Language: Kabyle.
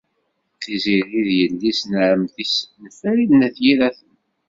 Tiziri d yelli-s n ɛemmti-s n Farid n At Yiraten.